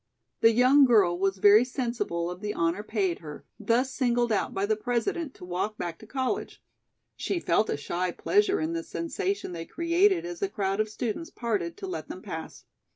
The young girl was very sensible of the honor paid her, thus singled out by the President to walk back to college. She felt a shy pleasure in the sensation they created as the crowd of students parted to let them pass.